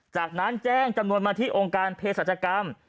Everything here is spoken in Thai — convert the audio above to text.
จากนั้นแจ้งจำนวนมาที่องค์การเพศรัชกรรม